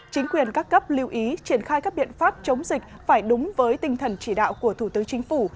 chính quyền các cấp lưu ý triển khai các biện pháp chống dịch phải đúng với tinh thần chỉ đạo của thủ tướng chính phủ